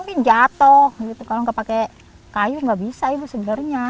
kalau nggak capek jalan begitu kalau nggak pakai kayu nggak bisa ibu sebenarnya